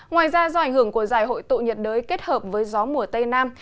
ngoài ra do ảnh hưởng của giải hội tụ nhiệt đới kết hợp với gió mùa tây nam